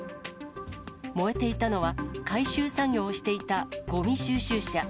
燃えていたのは、回収作業をしていたごみ収集車。